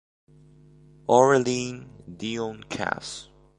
Orelli; Dion Cass.